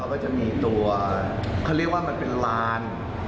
ก็จะมีตัวเขาเรียกว่ามันเป็นลาน